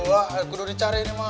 wah udah dicari ini mah